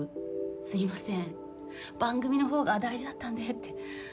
すいません番組のほうが大事だったんでって。